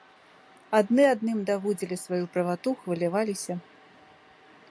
Адны адным даводзілі сваю правату, хваляваліся.